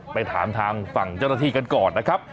ไปถามทางฝั่งเจ้าหน้าที่กันก่อนนะครับ